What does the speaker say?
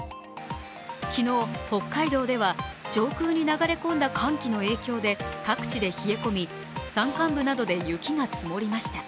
昨日、北海道では上空に流れ込んだ寒気の影響で各地で冷え込み山間部などで雪が積もりました。